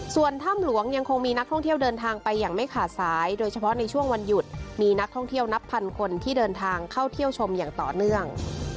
ส่วนถ้ำหลวงยังคงมีนักท่องเที่ยวเดินทางไปอย่างไม่ขาดสายโดยเฉพาะในช่วงวันหยุดมีนักท่องเที่ยวนับพันคนที่เดินทางเข้าเที่ยวชมอย่างต่อเนื่อง